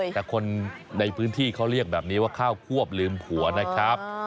แต่คนในพื้นที่เขาเรียกแบบนี้ว่าข้าวควบลืมผัวนะครับ